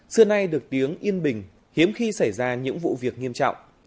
xưa nay được tiếng yên bình hiếm khi xảy ra những vụ việc nghiêm trọng